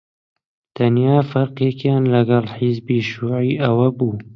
تەنیا فەرقێکیان لەگەڵ حیزبی شیووعی ئەوە بوو: